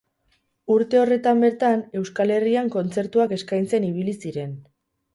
Urte horretan bertan, Euskal Herrian kontzertuak eskaintzen ibili ziren.